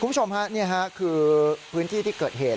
คุณผู้ชมฮะนี่ค่ะคือพื้นที่ที่เกิดเหตุ